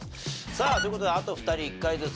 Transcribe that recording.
さあという事であと２人一回ずつ。